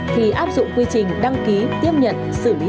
thì áp dụng quy trình đăng ký tiếp nhận xử lý hộ sơ cấp hộ chiếu hiện hành